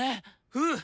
うん！